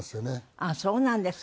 ああーそうなんですか。